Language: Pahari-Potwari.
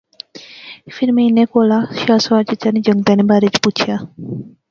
فیر میں انیں کولا شاہ سوار چچا نے جنگتے نے بارے وچ پچھیا